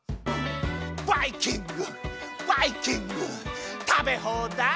「バイキングバイキングたべほうだい」